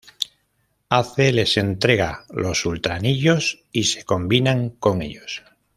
Ace les entrega los Ultra Anillos y se combinan con ellos.